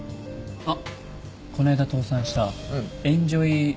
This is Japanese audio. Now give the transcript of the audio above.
あっこの間倒産したエンジョイ。